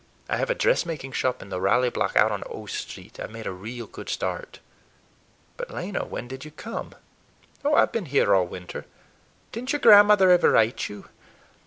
I have a dressmaking shop in the Raleigh Block, out on O Street. I've made a real good start." "But, Lena, when did you come?" "Oh, I've been here all winter. Did n't your grandmother ever write you?